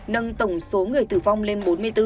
nâng tổng số người tử vong lên bốn mươi bốn